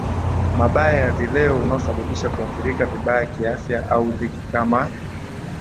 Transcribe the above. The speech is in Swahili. mabaya ya vileo unaosababisha kuathirika vibaya kiafya au dhiki kama